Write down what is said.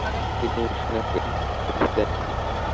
তিনি মিশনের প্রেসিডেন্ট হন।